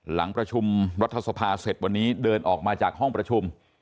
หลังประชุมรัฐสภาเสร็จวันนี้เดินออกมาจากห้องประชุม